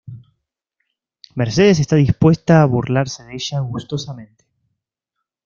Mercedes está dispuesta a burlarse de ella gustosamente.